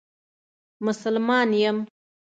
مسلمان یم.